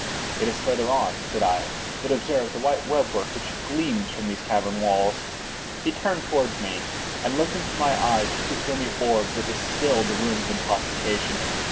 "It is farther on," said I; "but observe the white web work which gleams from these cavern walls." He turned towards me, and looked into my eyes with two filmy orbs that distilled the rheum of intoxication.